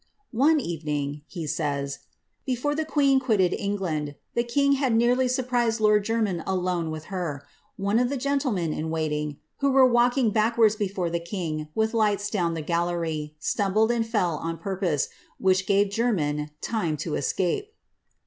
^ One evening,'^ he says, ^ before the queen quitted England, the king had neariy surprised lord Jermyn alone with her. One of the gentlemen in waiting, who were walking backwards before the king witn lights down the galleij^ stumbled and fell on purpose, which save Jermyn time to escape.''